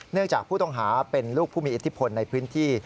เนื่องจากผู้ต้องหาเป็นลูกผู้มีอิทธิพลในพื้นที่